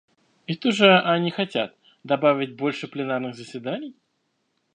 И что же они хотят — добавить больше пленарных заседаний?